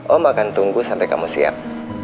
om akan tunggu sampai kamu siap